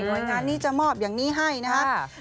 โดยงานนี้จะมอบอย่างนี้ให้นะครับ